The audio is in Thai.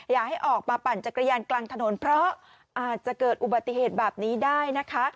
อย่าให้ออกมาปั่นจักรยานกลางถนนเพราะอาจจะเกิดอุบัติเหตุแบบนี้ได้นะคะ